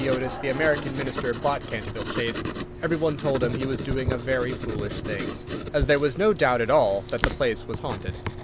Otis, the American Minister, bought Canterville Chase, every one told him he was doing a very foolish thing, as there was no doubt at all that the place was haunted.